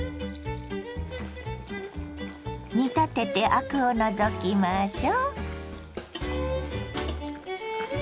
煮立ててアクを除きましょ。